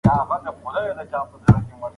دا هغه علم دی چې زموږ قضاوتونه اصلاح کوي.